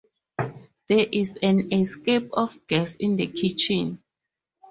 There is an escape of gas in the kitchen.